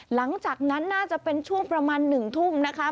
หลังจากนั้นน่าจะเป็นช่วงประมาณ๑ทุ่มนะคะ